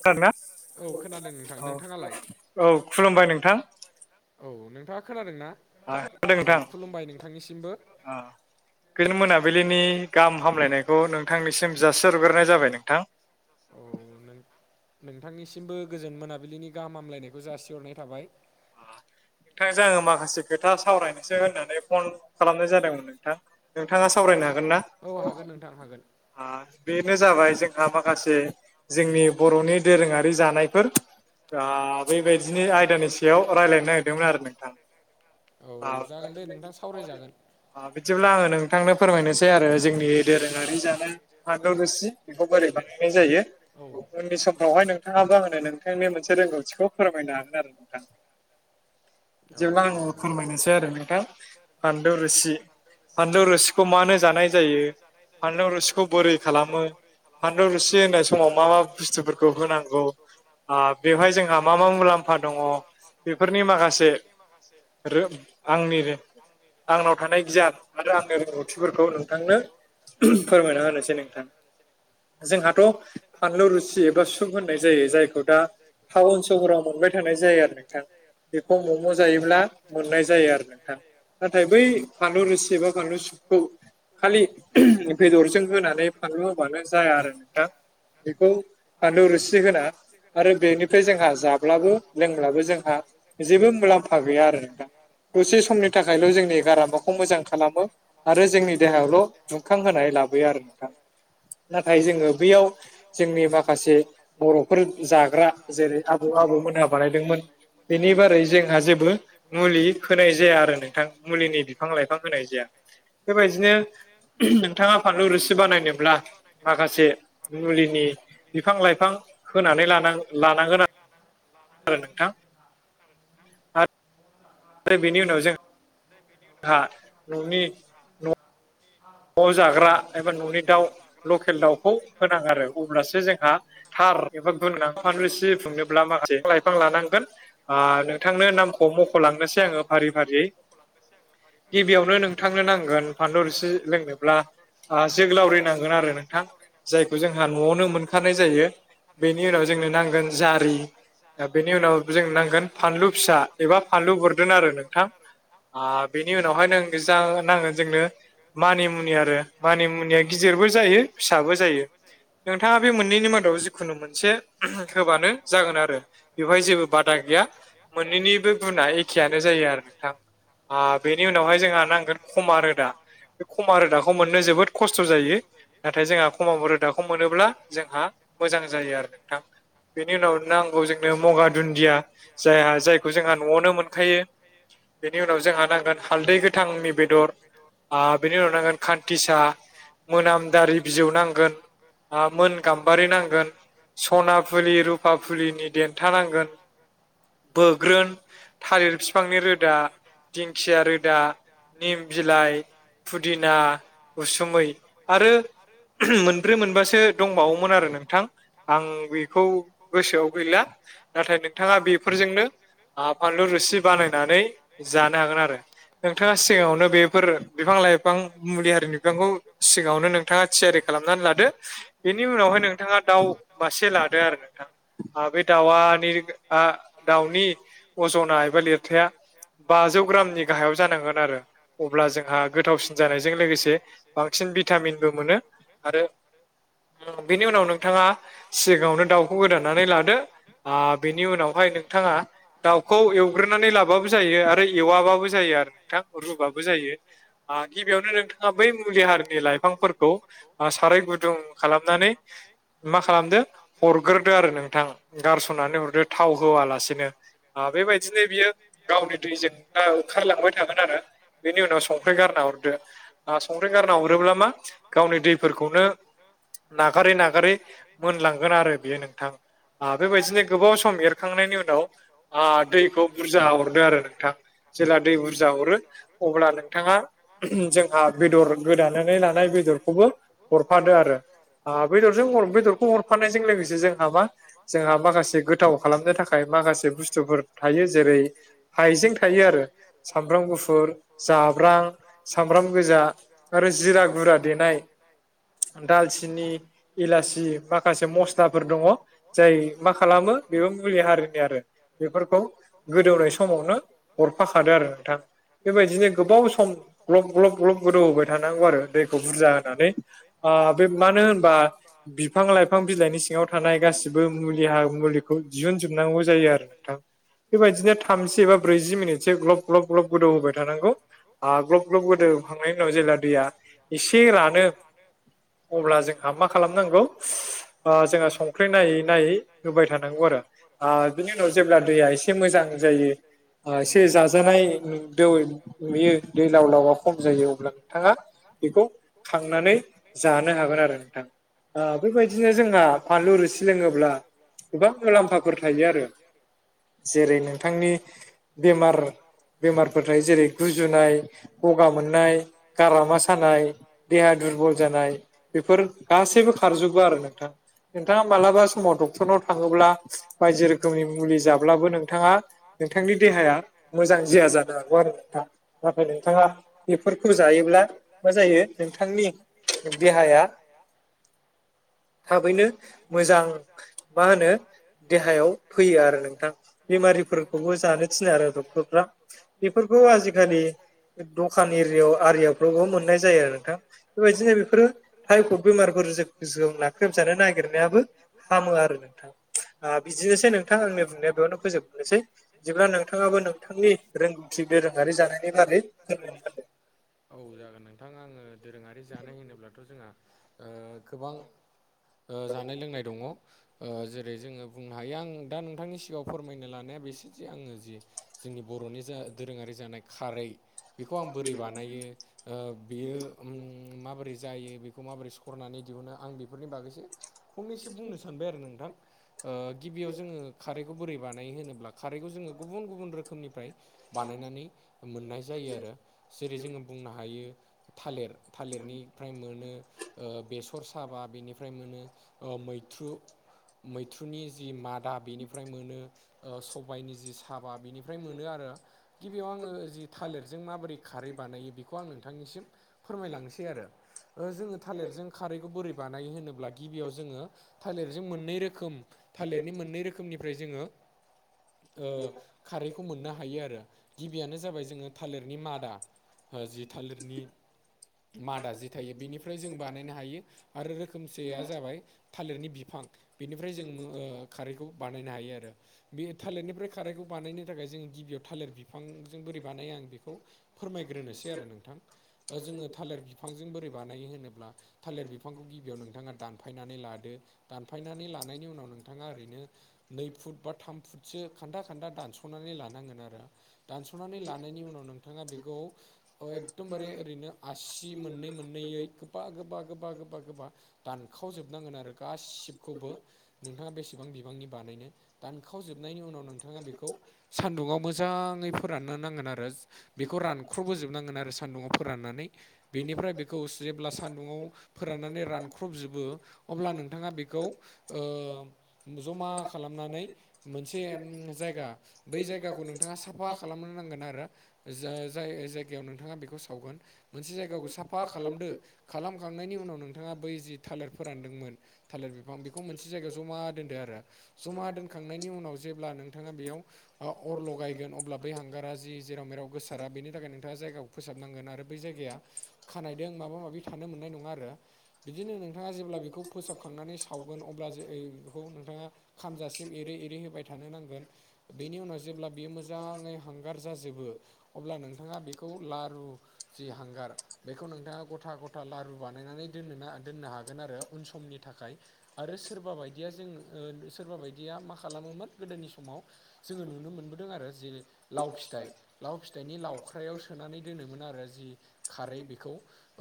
सार ना औ औ खुलुमबाय नोंथां। औ नोंथाङा खोनादोंना औ खुलुमबाय नोंथांनिसिमबो। गोजोन मोनाबिलिनि गाहाम हामलायनायखौ नोंथांनिसिम जासि हरग्रोनाय जाबाय नोंथां। औ नों नोंथांनिसिमबो गोजोन मोनाबिलिनि गाहाम हामलायनायखौ जासिहरनाय थाबाय। नोंथांजों आङो माखासे खोथा सावरायनोसै होननानै फन खालामनाय जादोंमोन नोंथां। नोंथाङा सावरायनो हागोन ना। औ हागोन नोंथां हागोन आ बेनो जाबाय जोंहा माखासे जोंनि बर'नि दोरोङारि जानायफोर दा बैबायदिनि आयदानि सायाव रायज्लायनो नागिरदोंमोन आरो नोंथां। औ जागोन दे नोंथां सावरायजागोन। ओ बिदिब्ला आङो नोंथांनो फोरमायनोसै आरो जोंनि दोरोङारि जानो फानलु रोसि बेखौ बोरै बानायनाय जायो उनि समफ्रावहाय नों थाङाबो आंनो नोंथांनि मोनसे रोंगौथिखौ फोरमायनो हागोन आरो नोंथां। बिदिब्ला आङो फोरमायनोसै आरो नोंथां फानलौ रोसि। फानलौ रोसिखौ मानो जानाय जायो? फानलौ रोसिखौ बोरै खालामो? फानलु रुसि होनाय समाव मा मा बुस्थुफोरखौ होनांगौ? ओ बेवहाय जोंहा मा मा मुलाम्फा दङ'? बेफोरनि माखासे रो आंनि आंनाव थानाय गियान माने आंनि रोंगौथिफोरखौ नोंथांनो फोरमायना होनोसै नोंथां। जोंहाथ' फानलु रुसि एबा सुप होननाय जायो जायखौ दा टाउन, सहराव मोनबाय थानाय जायो आरो नोंथां। बेखौ मम' जायोब्ला मोननाय जायो आरो नोंथां। नाथाय बै फानलु रोसि एबा फानलु सुपखौ खालि बेदरजों होनानै फानलु होबानो जाया आरो नोंथां। बेखौ फानलु रोसि होना। आरो बेनिफ्राय जोंहा जाब्लाबो लोंब्लाबो जोंहा जेबो मुलाम्फा गैया आरो नोंथां। दसे समनि थाखायल' जोंनि गारामाखौ मोजां खालामो आरो जोंनि देहायावल' दुखां होनाय लाबोयो आरो नोंथां। नाथाय जोङो बैयाव जोंनि माखासे बर'फोर जाग्रा जेरै आबौ आबौमोनहा बानायदोंमोन। बेनि बारै जोंहा जेबो मुलि होनाय जाया आरो नोंथां। मुलिनि बिफां लाइफां होनाय जाया। बेबायदिनो नोंथाङा फानलु रोसि बानायनोब्ला माखासे मुलिनि बिफां लाइफां होनानै लानां-लानांगोन आ लानांगोन आ नोंथां। [unintelligible] आरो बेनि उनाव जोंहा न'नि न'आव'जाग्रा एबा न'नि दाउ लकेल दाउखौ होनांगौ आरो अब्लासो जोंहा थार एबा गुन गोनां फानलु रोसि फुदुंनोब्ला माखासे बिफां लाइफां लानांगोन। ओ नोंथांनो नामखौ मख'लांनोसै आङो फारि फारि गिबियावनो नोंथांनो नांगोन फानलु रोसि लोंनोब्ला, ओ जोग्लावरि नांगोन आरो नोंथां। जायखौ जोंहा न'आवनो मोनखानाय जायो, बेनि उनाव जोंनो नांगोन जारि दा बेनि उनाव जोंनो नांगोन फानलु फिसा एबा फानलु बोरदोन आरो नोंथां। आ बेनि उनावहाय नों जा नांगोन जोंनो मानि मुनि आरो मानि मुनिया गिदिरबो जायो फिसाबो जायो नोंथाङा बे मोन नैनि मादाव जिखुनु मोनसे होबानो जागोन आरो बेवहाय जेबो बादा गैया। मोननैनिबो आ बेनि उनावहाय जोंहा नांगोन खमा रोदा। बे खमा रोदाखौ मोननो जोबोद खस्थ' जायो। नाथाय जोंहा खमाबो रोदाखौ मोनोब्ला जोंहा मोजां जायो आरो नोंथां। बेनि उनाव नांगौ जोंनो मगा दुन्दिया जायहा जायखौ जोंहा न'आवनो मोनखायो। बेनि उनाव जोंहा नांगोन हालदै गोथांनि बेदर ओ बिनि उनाव नांगोन खान्थिसा, मोनामदारि बिजौ नांगोन। आ मोन गाम्बारि नांगोन। सना फुलि, रुपा फुलिनि देन्था नांगोन। बोग्रोन, थालिर फि बिफांनि रोदा, दिंखिया रोदा, निम बिलाइ फुदिना, उसुमै आरो मोनब्रै मोनबासो दंबावोमोन आरो नोंथां। आं बेखौ गोसोआव गैला। नाथाय नोंथाङा बेफोरजोंनो ओ फानलु रुसि बानायनानै जानो हागोन आरो। नोंथाङा सिगाङावनो बेफोर बिफां लाइफां मुलि हारिनि बिफांखौ सिगाङावनो नोंथाङा थियारि खालामनानै लादो बेनि उनावहाय नोंथाङा दाउ मासे लादो आरो नोंथां। बे दाउनि दाउनि अजना एबा लिरथाया बाजौ ग्रामनि गाहायाव जानांगोन आरो अब्ला जों जोंहा गोथावसिन जानायजों लोगोसे बांसिन भिटामिनबो मोनो आरो बेनि उनाव नोंथाङा सिगाङावनो दाउखौ गोदाननानै लादो बेनि उनावहाय नोंथाङा दाउखौ एवग्रोनानै लाबाबो जायो आरो एवाबाबो जायो आरो नोंथां रुबाबो जायो। गिबियावनो नोंथाङा बै मुुलि हारिनि लाइफां खौ साराय गुदुं खालामनानै मा खालामदो हरग्रोदो आरो नोंथां गारसननानै हरदो थाव होआलासेनो। बेबायदिनो बियो गावनि दैजों दा ओंखारलांबाय थागोन आरो बेनि उनाव संख्रि गारना हरदो संख्र्रि गारना हरोब्ला मा गावनि दैफोरखौनो नागारै नागारै मोनलांगोन आरो बेयो नोंथां। बेबायदिनो गोबाव सम एरखांनायनि उनाव दैखौ बुरजा हरनो आरो नोंथां जेब्ला दै बुरजा हरो अब्ला नों बिथाङा जोंहा बेदर गोदानानै लानाय बेदरखौबो हरफादो आरो बेदरजों बेदरखौ हरफानायजों लोगोसे जोंहा मा जोंहा माखासे गोथाव खालामनो थाखाय माखासे बुस्थुफोर थायो जेरै हाइजें थायो आरो सामब्राम गुफुर जाब सब्रां सामब्राम गोजा आरो जिरा गुरा देनाय दालचनि इलासि माखासे मस्लाफोर दङ जाय मा खालामो बेबो मुलि हारिनि आरो बेफोरखौ गोदौनाय समावनो हरफाखादादों आरो नोंथां बेबायदिनो गोबाव सम ग्लब ग्लब ग्लब गोदौ होबाय थानांगौ आरो दैखौ बुरजा होनानै बे मानो होनबा बिफां लाइफां बिलाइनि सिङाव थानाय गासिबो मुलि मुलिखौ दिहुनजोबनांगौ जायो आरो थां बेबायदिनो थामजि एबा ब्रैजि मिनिटसो ग्लब ग्लब ग्लब गोदौ होबाय थानांगौ ग्लब ग्लब गोदोखांनायनि उनाव जेब्ला दैया एसे रानो अब्ला जोंहा मा खालामनांगौ जोंहा संख्रि नायै नायै होबाय थानांगौ आरो बिनि उनाव जेब्ला दैया एसे मोजां जायो एसे जाजानाय नुदों नुयो दै लाव लावा खम जायो अब्ला नोंथाङा बेखौ खांनानै जानो हागोन आरो नोंथां। बेबायदिनो जोंहा फानलुरु सि लोलोङोब्ला गोबां मुलाम्फाफोर थायो आरो जेरै नोंथांनि बेमार बेमारफोरथाय जेरै गुजुनाय गगा मोननाय गारामा सानाय देहा दुरबल जानाय बेफोर गासैबो खारजबो आरो नोंथां। नोंथाङा मालाबा समाव डक्टरनाव थाङोब्ला बायदि रोखोमनि मुलि जाब्लाबो नोंथाङा नोंथांनि देहाया मोजां जया जानो हागौ आरो नोंथां। नाथाय नोंथाङा बेफोरखौ जायोब्ला मा जायो नोंथांनि देहाया थाबैनो मोजां मा होनो देहायाव फैयो आरो नोंथां बेमारिफोरखौबो जानो थिनो आरो डक्टरफ्रा बेफोरखौ आजिखालि दखान एरिायाव आरिआवफ्रावबो मोननाय जायो आरो नोंथां। बेबायदिनो बेफोरो थायफड बेमारफोर जों नाख्रेबजानो नागिरनायाबो हामो आरो नोंथा बिदिनोसै नोंथां आंनि बुंनाया बेयावनो फोजोबनोसै जेब्ला नोंथाङाबो नोंथांनि रोंगौथि दोरोङारि जानायनि बारै फोरमाय औ जागोन नोंथां आङो दोरोङारि जानाय होनोब्लाथ' जोंहा गोबां जानाय लोंनाय दङ जेरै जोङो बुं नो हायो आं दा नोंथांनि सिगाङाव फोरमायनो लानाया बेसो जि आङो जि जोंनि बर'नि जा दोरोङारि जानाय खारै बेखौ आं बोरै बानायो बेयो माबोरै जायो बेखौ माबोरै सरनानै दिहुनो आं बे बेफोरनि बागैसो फंनैसो बुंनो सानबाय आरो नोंथां। गिबियाव जोङो खारैखौ बोरै बानायो होनोब्ला खारैखौ जोङो गुबुन गुबुन रोखोमनिफ्राय बानायनानै मोननाय जायो आरो जेरै जोङो बुंनो हायो थालिर थालिरनिफ्राय मोनो। बेसर साबा बेनिफ्राय मोनो ओ मैथ्रु मैथ्रुनि जि मादा बेनिफ्राय मोनो। सबायाइनि जि साबा बिनिफ्राय मोनो आरो। गिबियाव आङो जि थालिरजों माबोरै खारै बानायो बेखौ आं नोंथांनिसिम फोरमायलांनोसै आरो। जोङो थालिरजों खारैखौ बोरै बानाय होनोब्ला गिबियाव जोङो थालिरजों मोननै रोखोम थालिरनि मोननै रोखोमनिफ्राय जोङो ओ खारैखौ मोननो हायो आरो गिबियानो जाबाय जोङो थालिरनि मादा। ओ जि थालिरनि मादा जि थायो बेनिफ्राय जों बानायनो हायो। आरो रोखोमसेया जाबाय थालिरनि बिफां। बेनिफ्राय जों मो ओ खारैखौ बानायनो हायो आरो। बे थालिरनिफ्राय खारैखौ बानायनो थाखाय जों गिबियाव थालिर बिफांजों बोरै बानायो आं बेखौ फोरमायग्रोनोसै आरो नोंथां जोङो थालिर बिफांजों बोरै बानायो होनोब्ला थालिर बिफांखौ गिबियाव नोंथाङा दानफायनानै लादो दानफायनानै लानायनि उनाव नोंथाङा ओरैनो नै फुट बा थाम फुटसो खान्दा खान्दा दानस'नानै लानांगोन आरो। दानस'नानै लानायनि उनाव नोंथाङा बेखौ अ एकदमबारे ओरैनो आसि मोननै मोननैयै खोब गोबा गोबा गोबा गोबा गोबा दानखावजोबनांगोन आरो गासिबखौबो। नोंथाङा बेसेबां बिबांनि बानायनो दानखाव जोबनायनि उनाव नोंथाङा बेखौ सान्दुंङाव मोजाङै फोराननो नांगोन आरो बे बेखौ रानख्र'बोजोबनांगोन आरो सान्दुंङाव फोराननानै। बेनिफ्राय बेखौ जेब्ला सान्दुंङाव फोराननानै रानख्रबजोबो अब्ला नोंथाङा बेखौ ओ जमा खालामनानै मोनसे जायगा बै जायगाखौ नोंथाङा साफा खालामनो नांगोन आरो जा जाय जायगायाव नोंथाङा बेखौ सावगोन। मोनसे जायगाखौ साफा खालामदो खालामखांनायनि उनाव नोंथाङा बै जि थालिर फोरानदोंमोन थालिर बिफां बेखौ मोनसे जायगायाव जमा दोनदो आरो। जमा दोनखांनायनि उनाव जेब्ला नोंथाङा बेयाव अर लगायगोन अब्ला बै हांगारा जि जेराव मेराव गोसारा बेनि थाखाय नोंथाङा जायगाखौ फोसाबनांगोन आरो बै जायगाया खानायदों माबा माबि थानो मोननाय नङा आरो बिदिनो नोंथाङा जेब्ला बेखौ फोसाबखांनानै सा खावगोन अब्ला जो ओ बेखौ नोंथाङा खामजासिम एरै एरै होबाय थानो नांगोन बेनि उनाव जेब्ला बियो मोजाङै हांगार जाजोबो अब्ला नोंथाङा बेखौ लारु जि हांगार बेखौ नोंथाङा गथा गथा लारु बानायनानै दोनना दोननो हागोन आरो उन समनि थाखाय। आरो सोरबा बायदिया जों सोरबा बायदिया मा खालामोमोन गोदोनि समाव जोङो नुनो मोनबोदों आरो जे लाव फिथाइ लाव फिथाइनि लावख्रायाव सोनानै दोनोमोन आरो जि खारै बेखौ।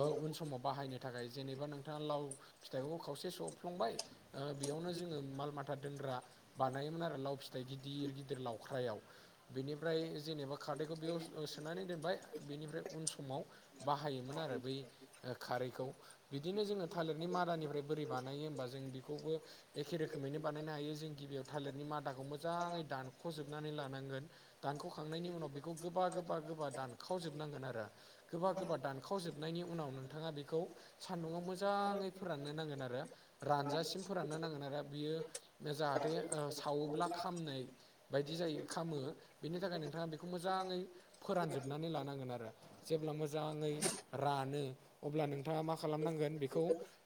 ओ उन समाव बाहायनो थाखाय जेनेबा नोंथाङा लाव फिथाइफोरखौ खावसे सौफ्लंबाय ओ बेयावनो जोङो माल माथा दोनग्रा बानायोमोन आरो लाव फिथाइ गिदिर गिदिर लावख्रायाव बेनिफ्राय जेनेबा खारदैखौ बेयाव सोनानै दोनबाय बेनिफ्राय उन समाव बाहायोमोन आरो बै खारैखौ बिदिनो जोङो थालिरनि मादानिफ्राय बोरै बानायो होमबा जों बेखौबो एखे रोखोमैनो बानायनो हायो जों गिबियाव थालिरनि मादाखौ मोजाङै दानखजोब नानै लानांगोन दानख खांनायनि उनाव बेखौ गोब गोबा गोबा दानखाव जोबनांगोन आरो गोबा गोबा दानखाव जोबनायनि उनाव नोंथाङा बेखौ सान्दुंङाव मोजाङै फोराननो नांगोन आरो रानजासिम फोराननो नांगोन आरो बियो बे जाहाथे ओ सावोब्ला खामनो बायदि जायो खामो बेनि थाखाय नोंथाङा बेखौ मोजाङै फोरानजोबनानै लानांगोन आरो। जेब्ला मोजाङै रानो अब्ला नोंथाङा मा खालामनांगोन बेखौ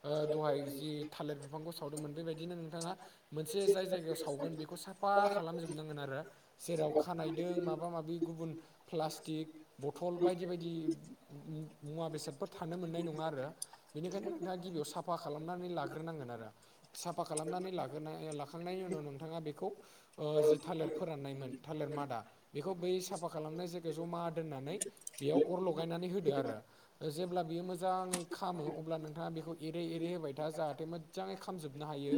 ओ दहाय जि थालिर बिफांखौ सावदोंमोन बेबायदिनो नोंथाङा मोनसे जाय जायगायाव सावगोन बेखौ सा फा खालामजोबनांगोन आरो जेराव खानायदों माबा माबि गुबुन प्लास्टिक बथल बायदि बायदि मु मुवा बेसादफोर थानो मोननाय नङा आरो। बेनिखायनो नोंथाङा गिबियाव साफा खालामनानै लाग्रोनांगोन आरो। साफा खालामनानै लाग्रोनाय लाखांनायनि उनाव नोंथाङा बेखौ ओ जि थालिर फोराननायमोन थालिर मादा बेखौ बै साफा खालामनाय जा यगायाव जमा दोननानै बेयाव अर लगायनानै होदो आरो। जेब्ला बियो मोजाङै खामो अब्ला नोंथाङा बेखौ एरै एरै होबाय था जाहाथे मो मोजाङै खामजोबनो हायो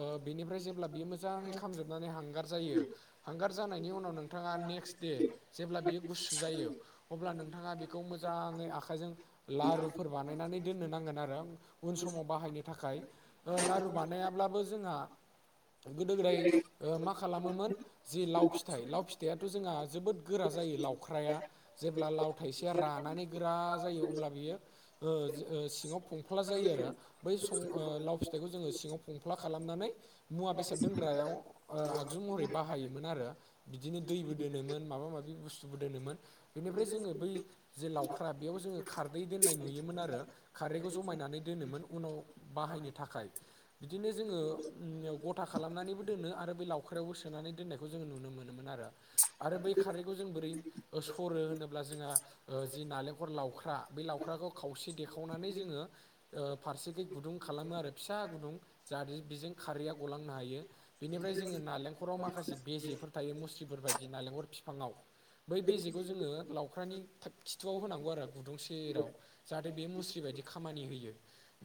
ओ बेनिफ्राय जेब्ला बियो मोजाङै खामजोबनानै हांगार जायो। हांगार जानायनि उनाव नोंथाङा नेक्स्ट दे जेब्ला बियो गुसु जायो। अब्ला नोंथाङा बेखौ मोजाङै आखाइजों लारुफोर बानायनानै दोननो नांगोन आरो उन समाव बाहायनो थाखाय। लारु बानायाब्लाबो जोंहा गोदो गोदाय ओ मा खालामोमोन जे लाव फिथाइ लाव फिथाइआथ जोंहा जोबोद गोरा जायो लाव ख्राया जेब्ला लाव थाइसेया रानानै गोरा जायो अब्ला बियो ओ ओ सिङाव फंफ्ला जायो आरो। बै सं ओ लाव फिथाइखौ जोङो सिङाव फंफ्ला खालामनानै। मुवा बेसाद दोनग्रायाव ओ आगजु महरै बाहायोमोन आरो। बिदिनो दैबो दोनोमोन माबा माबि बुस्थुबो दोनोमोन बेनिफ्राय जोङो बै जे लावख्रा बेयाव जोङो खारदै दोननाय नुयोमोन आरो। खारैखौ जमायनानै दोनोमोन उनाव बाहायनो थाखाय। बिदिनो जोङो उम गथा खालामनानैबो दोनो आरो बे लावख्रायाव सोनानै दोननाय खौ जों नुनो मोनोमोन आरो आरो बै खारैखौ जों बोरै सरो होनोब्ला जोंहा ओ जि नालेंखर लावख्रा बे लावख्राखौ खावसे देखावनानै जोङो ओ फारसेखै गुदुं खालामो आरो फिसा गुदुं जाहाथे बिजों खारैया गलांनो हायो। बेनिफ्राय जोङो नालेंखराव माखासे बेेजेफोर थायो मुस्रिफोर बायदि नालेंखर बिफाङाव बै बेजेखौ जोङो लावख्रानि खिथुआव होनांगौ आरो गुदुं सेराव जाहाथे बे मुस्रि बायदि खामानि होयो।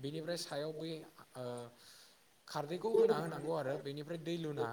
बेनिफ्राय सायाव बै ओ खारदैखौ होना होनांगौ आरो बेनिफ्राय दै लुना